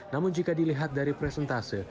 namun jika dilihat dari presentase